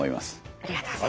ありがとうございます。